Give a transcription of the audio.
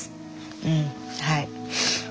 うんはい。